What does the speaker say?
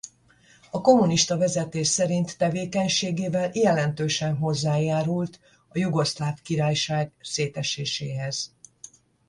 A kommunista vezetés szerint tevékenységével jelentősen hozzájárult a Jugoszláv Királyság széteséséhez.